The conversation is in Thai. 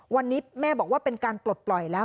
วันนี้แม่บอกว่าเป็นการปลดปล่อยแล้ว